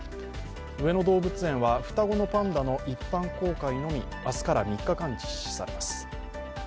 上野動物園は双子のパンダの一般公開のみ明日から３日間実施されます。